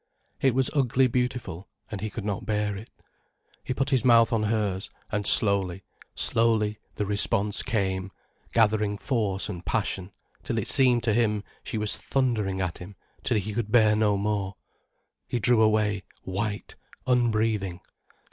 It was ugly beautiful, and he could not bear it. He put his mouth on hers, and slowly, slowly the response came, gathering force and passion, till it seemed to him she was thundering at him till he could bear no more. He drew away, white, unbreathing.